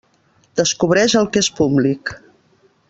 Descobreix el que és públic.